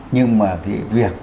nhưng mà cái việc